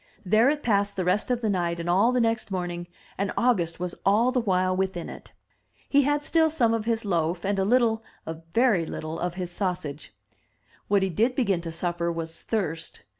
There it passed the rest of the night and all the next morning, and August was all the while within it. He had still some of his loaf, and a little — a very little— of his sausage. What he did begin to suffer was thirst.